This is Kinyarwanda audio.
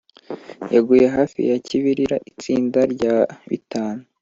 yaguye hafi ya kibirira. itsinda rya bitanu